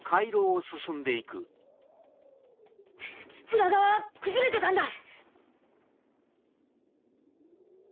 裏側はくずれてたんだ！